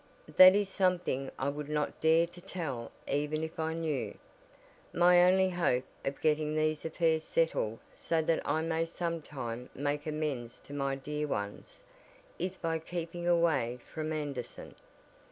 "That is something I would not dare to tell even if I knew. My only hope of getting these affairs settled so that I may sometime make amends to my dear ones, is by keeping away from Anderson.